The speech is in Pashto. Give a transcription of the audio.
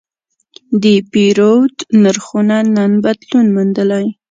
د پیرود نرخونه نن بدلون موندلی.